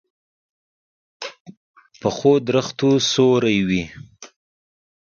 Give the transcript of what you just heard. پخو درختو سیوری وي